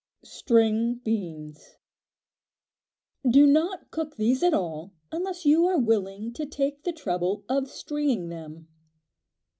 String Beans. Do not cook these at all unless you are willing to take the trouble of "stringing" them.